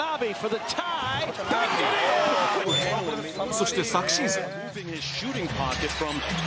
そして昨シーズン